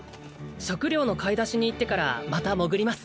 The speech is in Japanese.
食料の買い出しに行ってからまた潜ります